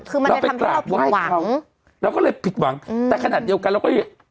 คือมันจะทำให้เราผิดหวังเราก็เลยผิดหวังแต่ขนาดเดียวกันเราก็